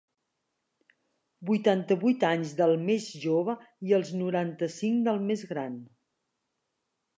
Vuitanta-vuit anys del més jove i els noranta-cinc del més gran.